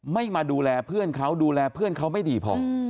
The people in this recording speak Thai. ไม่มาดูแลเพื่อนเขาดูแลเพื่อนเขาไม่ดีพอ